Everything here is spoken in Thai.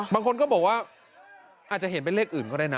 บางคนก็บอกว่าอาจจะเห็นเป็นเลขอื่นก็ได้นะ